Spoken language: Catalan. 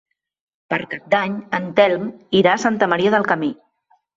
Per Cap d'Any en Telm irà a Santa Maria del Camí.